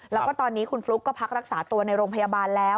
แล้วก็ตอนนี้คุณฟลุ๊กก็พักรักษาตัวในโรงพยาบาลแล้ว